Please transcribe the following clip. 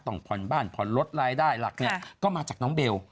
ต้องผ่อนบ้านผ่อนรถรายได้หลักเนี่ยก็มาจากน้องเบล